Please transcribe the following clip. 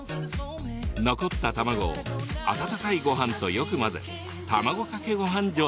残った卵を温かいごはんとよく混ぜ卵かけごはん状態に。